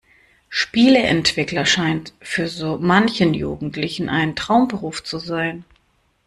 Spieleentwickler scheint für so manchen Jugendlichen ein Traumberuf zu sein.